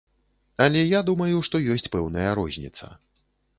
Але я думаю, што ёсць пэўная розніца.